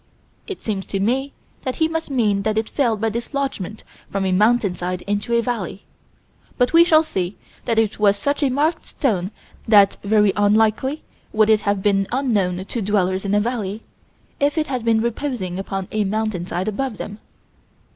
It seems to me that he must mean that it fell by dislodgment from a mountainside into a valley but we shall see that it was such a marked stone that very unlikely would it have been unknown to dwellers in a valley, if it had been reposing upon a mountainside above them.